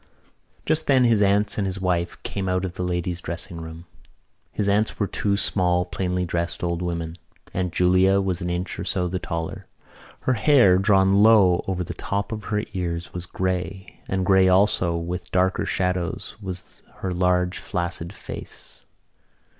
Just then his aunts and his wife came out of the ladies' dressing room. His aunts were two small plainly dressed old women. Aunt Julia was an inch or so the taller. Her hair, drawn low over the tops of her ears, was grey; and grey also, with darker shadows, was her large flaccid face.